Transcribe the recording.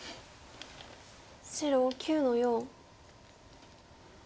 白９の四。